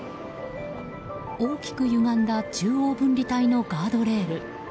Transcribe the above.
大きくゆがんだ中央分離帯のガードレール。